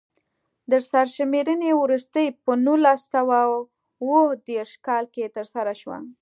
د سرشمېرنې وروستۍ په نولس سوه اووه دېرش کال کې ترسره شوه.